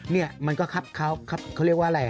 เนี่ยมันก็ครับเขาเรียกว่าอะไร